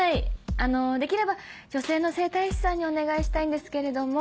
あのできれば女性の整体師さんにお願いしたいんですけれども。